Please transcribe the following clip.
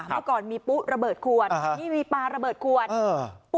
เมื่อก่อนมีปุ๊ระเบิดขวดนี่มีปลาระเบิดขวด